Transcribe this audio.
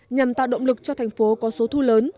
nhằm tạo động lực cho thành phố có số thu lớn